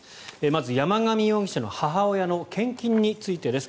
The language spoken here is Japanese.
まず山上容疑者の母親の献金についてです。